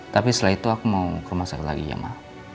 tapi setelah itu aku mau ke rumah sakit lagi jamaah